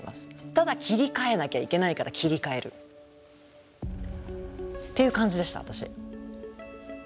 ただ切り替えなきゃいけないから切り替える。っていう感じでした私。